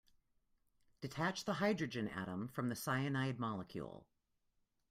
Detach the hydrogen atom from the cyanide molecule.